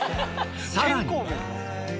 さらに。